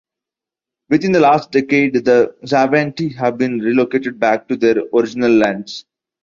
Within the last decade, the Xavante have been relocated back to their original lands.